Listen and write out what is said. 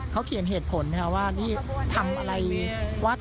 เขาเขียนเหตุผลว่าทำอะไรที่เขาคิดคิดร้าย